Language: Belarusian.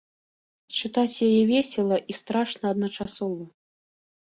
Чытаць яе весела і страшна адначасова.